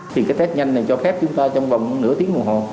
thì cái test nhanh này cho phép chúng ta trong vòng nửa tiếng đồng hồ